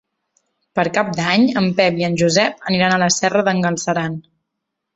Per Cap d'Any en Pep i en Josep aniran a la Serra d'en Galceran.